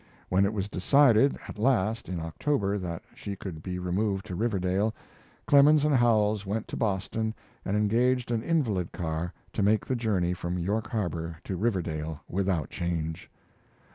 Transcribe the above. When it was decided at last, in October, that she could be removed to Riverdale, Clemens and Howells went to Boston and engaged an invalid car to make the journey from York Harbor to Riverdale without change.